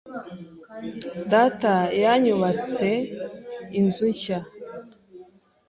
Data yanyubatse inzu nshya.